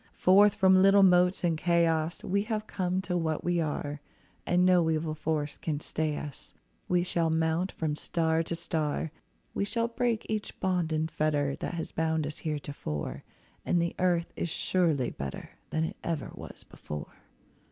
Forth from little motes in Chaos, We have come to what we are; And no evil force can stay us— We shall mount from star to star, We shall break each bond and fetter That has bound us heretofore; And the earth is surely better Than it ever was before.